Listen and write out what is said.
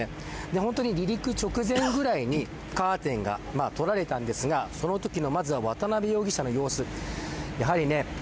本当に離陸直前ぐらいにカーテンが取られたんですがそのときの渡辺容疑者の様子。